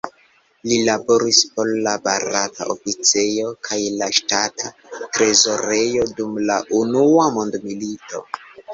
Li laboris por la Barata Oficejo kaj la Ŝtata Trezorejo dum la Unua Mondmilito.